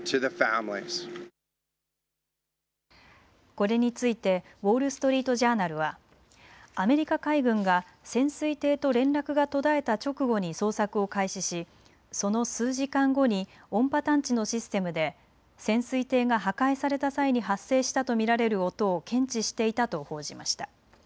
これについてウォール・ストリート・ジャーナルはアメリカ海軍が潜水艇と連絡が途絶えた直後に捜索を開始しその数時間後に音波探知のシステムで潜水艇が破壊された際に発生したと見られる音を検知していたと報じました。